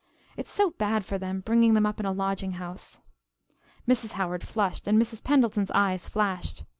"It's so bad for them bringing them up in a lodging house." Mrs. Howard flushed and Mrs. Pendleton's eyes flashed.